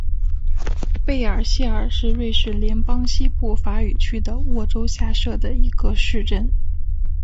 贝尔谢尔是瑞士联邦西部法语区的沃州下设的一个市镇。